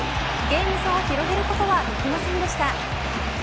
ゲーム差を広げることはできませんでした。